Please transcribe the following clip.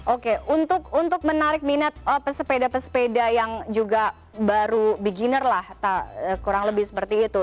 oke untuk menarik minat pesepeda pesepeda yang juga baru beginner lah kurang lebih seperti itu